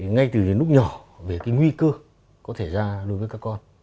ngay từ lúc nhỏ về cái nguy cơ có thể ra đối với các con